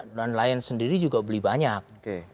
dan lain lain sendiri juga beli banyak